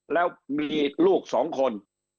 แล้วมีลูกสองคน